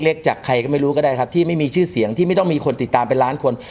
จากใครก็ไม่รู้ก็ได้ครับที่ไม่มีชื่อเสียงที่ไม่ต้องมีคนติดตามเป็นล้านคน